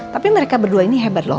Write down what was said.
tapi mereka berdua ini hebat loh